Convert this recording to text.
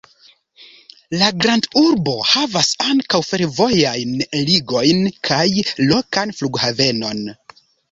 La grandurbo havas ankaŭ fervojajn ligojn kaj lokan flughavenon.